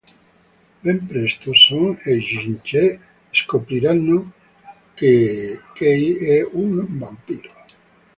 Ben presto Son e Yi-Che scopriranno che Kei è un vampiro.